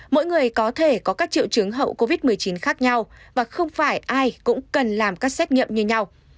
mỗi người có thể có các triệu chứng hậu covid một mươi chín khác nhau và không phải ai cũng cần làm các xét nghiệm như nhau